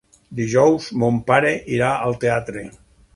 Dijous mon pare irà al teatre.